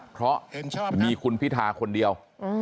เพราะมีคุณพิธาคนเดียว